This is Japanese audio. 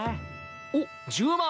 おっ１０万。